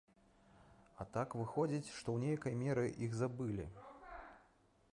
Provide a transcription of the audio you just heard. А так выходзіць, што ў нейкай меры іх забылі.